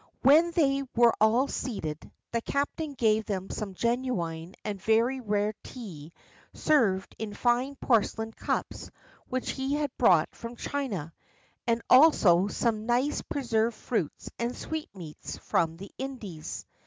When they were all seated, the captain gave them some genuine and very rare tea served in fine porcelain cups which he had brought from China, and also some nice preserved fruits and sweetmeats from the Indies.